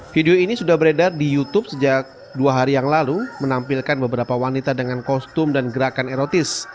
video ini sudah beredar di youtube sejak dua hari yang lalu menampilkan beberapa wanita dengan kostum dan gerakan erotis